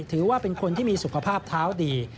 ถือว่าเป็นคนที่มีสุขภาพเท้าดี